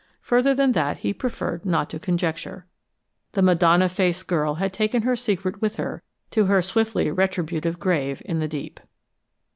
Further than that, he preferred not to conjecture. The Madonna faced girl had taken her secret with her to her swiftly retributive grave in the deep.